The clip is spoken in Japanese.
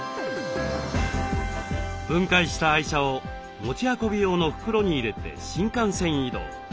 分解した愛車を持ち運び用の袋に入れて新幹線移動。